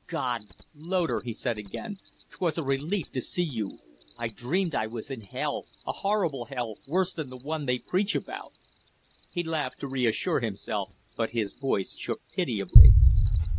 "God! Loder," he said, again, "'twas a relief to see you! I dreamed I was in hell a horrible hell, worse than the one they preach about." He laughed to reassure himself, but his voice shook pitiably.